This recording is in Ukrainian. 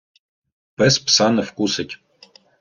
Пес пса не вкусить.